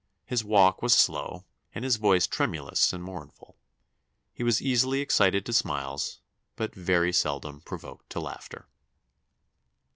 His walk was slow, and his voice tremulous and mournful. He was easily excited to smiles, but very seldom provoked to laughter."